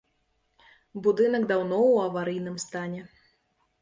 Будынак даўно ў аварыйным стане.